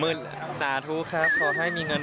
มีงานนี้ทำเอานุนิวอดปลื้มใจไม่ได้จริง